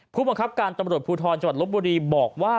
ผู้บังคับการตำรวจภูทรจังหวัดลบบุรีบอกว่า